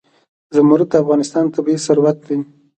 زمرد د افغانستان طبعي ثروت دی.